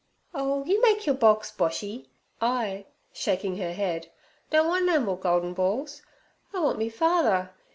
'Oh, you make your box, Boshy. I' shaking her head, 'don't want no more goldin balls. I want me father.